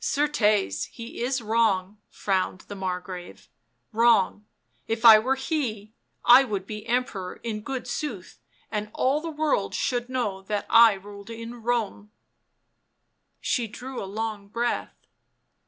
<f Certes he is wrong," frowned the Margrave. " Wrong ... if I were he— I would be Emperor in good sooth, and all the world should know that I ruled in Rome " She drew r a long breath.